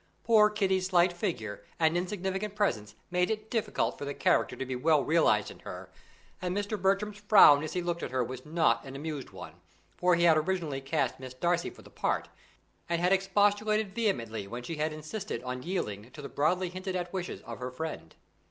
Poor Kitty's slight figure, and insignificant presence, made it difficult for the character to be well realized in her; and Mr. Bertram's frown as he looked at her was not an assumed one, for he had originally cast Miss Darcy for the part, and had expostulated vehemently when she had insisted on yielding to the broadly hinted at wishes of her friend.